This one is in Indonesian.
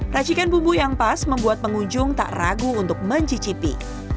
racikan bumbu yang pas membuat pengunjung tak ragu untuk mencicipi